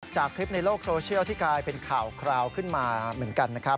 จากคลิปในโลกโซเชียลที่กลายเป็นข่าวคราวขึ้นมาเหมือนกันนะครับ